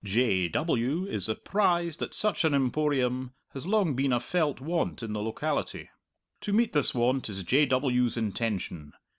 J. W. is apprised that such an Emporium has long been a felt want in the locality. To meet this want is J. W.'s intention.